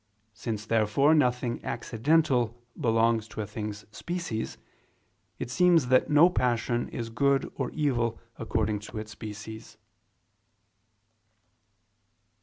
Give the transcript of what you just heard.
Since, therefore, nothing accidental belongs to a thing's species, it seems that no passion is good or evil according to its species.